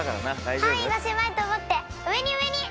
範囲が狭いと思って上に上に。